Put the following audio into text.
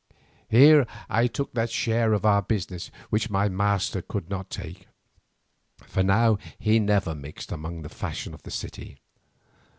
Here I took that share of our business which my master could not take, for now he never mixed among the fashion of the city.